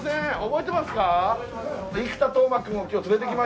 覚えてますよ。